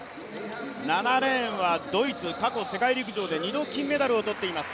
７レーンはドイツ、過去、世界陸上で２度、金メダルを取っています。